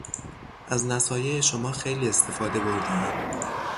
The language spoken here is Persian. از نصایح شما خیلی استفاده بردهام.